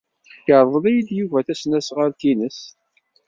Yerḍel-iyi Yuba tasnasɣalt-nnes.